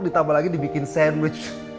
ditambah lagi dibikin sandwich